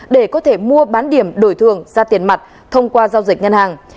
để có thể mua bán điểm đổi thường ra tiền mặt thông qua giao dịch ngân hàng